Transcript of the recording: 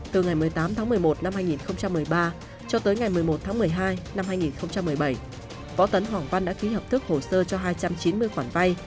từ ngày một mươi tám tháng một mươi một năm hai nghìn một mươi ba cho tới ngày một mươi một tháng một mươi hai năm hai nghìn một mươi bảy võ tấn hoàng văn đã ký hợp thức hồ sơ cho hai trăm chín mươi khoản vay